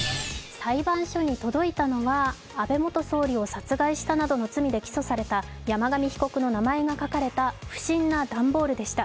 裁判所に届いたのは安倍元総理を殺害したなどの罪で起訴された山上被告の名前が書かれた不審な段ボールでした。